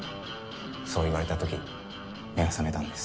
そう言われたとき目が覚めたんです。